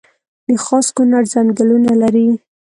د خاص کونړ ځنګلونه لري